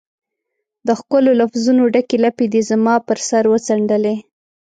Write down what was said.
د ښکلو لفظونو ډکي لپې دي زما پر سر وڅنډلي